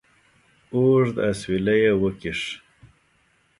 اوږد اسویلی یې وکېښ.